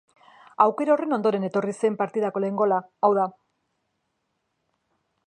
Aukera horren ondoren etorri zen partidako lehen gola, hau da.